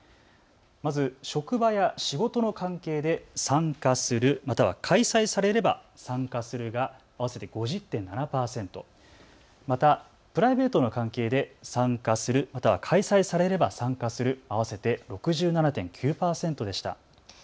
まず職場や仕事の関係で参加する、または開催されれば参加するが合わせて５０．７％、またプライベートの関係で参加する、また開催されれば参加する６７．９％でした。